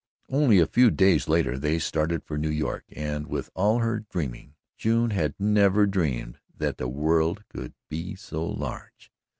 Only a few days later, they started for New York and, with all her dreaming, June had never dreamed that the world could be so large.